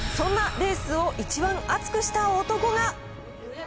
そんなレースを一番熱くした男が。